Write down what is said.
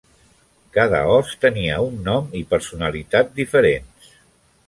Cada os tenia un nom i personalitat diferents.